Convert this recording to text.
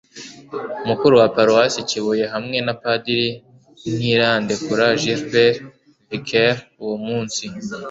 mukuru wa paruwasi kibuye hamwe na padiri ntirandekura gilbert, vicaire. uwo munsi